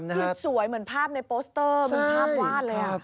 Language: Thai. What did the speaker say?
คือสวยเหมือนภาพในโปสเตอร์เหมือนภาพวาดเลย